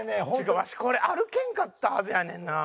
わしこれ歩けんかったはずやねんな。